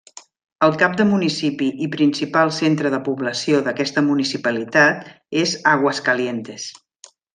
El cap de municipi i principal centre de població d'aquesta municipalitat és Aguascalientes.